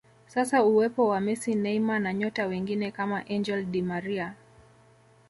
Sasa uwepo wa Messi Neymar na nyota wengine kama Angel di Maria